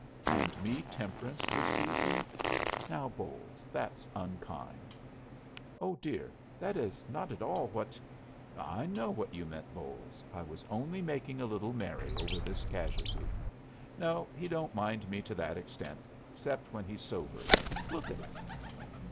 "And me temperance this season? Now, Bolles, that's unkind." "Oh, dear, that is not at all what " "I know what you meant, Bolles. I was only just making a little merry over this casualty. No, he don't mind me to that extent, except when he's sober. Look at him!"